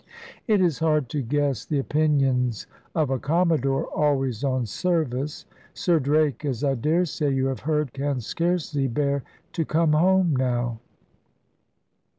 "It is hard to guess the opinions of a commodore always on service. Sir Drake, as I daresay you have heard, can scarcely bear to come home now."